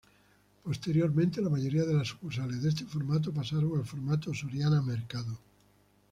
Posteriormente la mayoría de las sucursales de este formato pasaron al formato Soriana Mercado.